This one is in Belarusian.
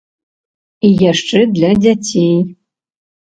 І яшчэ для дзяцей.